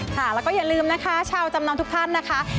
ค่ะแล้วก็อย่าลืมนะคะชาวจำนองทุกท่านนะคะ